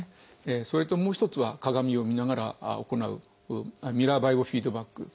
それともう一つは鏡を見ながら行う「ミラーバイオフィードバック」。